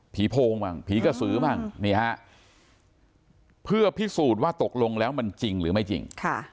โพงบ้างผีกระสือบ้างนี่ฮะเพื่อพิสูจน์ว่าตกลงแล้วมันจริงหรือไม่จริง